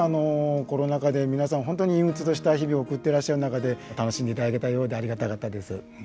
コロナ禍で皆さん本当に陰鬱とした日々を送ってらっしゃる中で楽しんでいただけたようでありがたかったです。